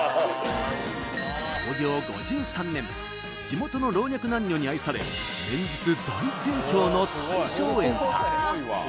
地元の老若男女に愛され連日大盛況の大昌園さん